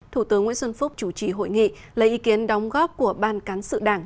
thủ tướng nguyễn xuân phúc chủ trì hội nghị lấy ý kiến đóng góp của ban cán sự đảng